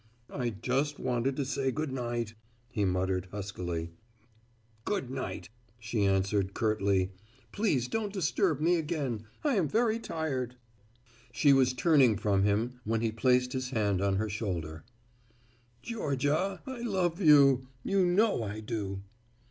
"I just wanted to say good night," he muttered, huskily. "Good night," she answered, curtly. "Please don't disturb me again. I am very tired." She was turning from him, when he placed his hand on her shoulder. "Georgia, I love you. You know I do."